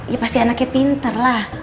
ya pasti anaknya pinter lah